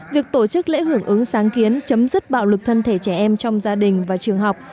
việc tổ chức lễ hưởng ứng sáng kiến chấm dứt bạo lực thân thể trẻ em trong gia đình và trường học